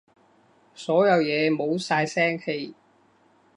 所有嘢冇晒聲氣